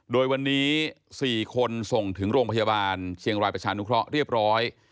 โดยวันนี้๔คนส่งถึงโรงพยาบาลเชียงรายประชานุเคราะห์เรียบร้อย